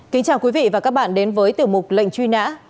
kính chào quý vị và các bạn đến với tiểu mục lệnh truy nã